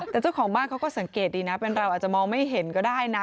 แต่เจ้าของบ้านเขาก็สังเกตดีนะเป็นเราอาจจะมองไม่เห็นก็ได้นะ